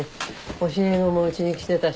教え子もうちに来てたし。